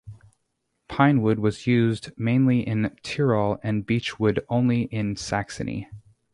Pinewood was used mainly in Tirol and beech wood only in Saxony.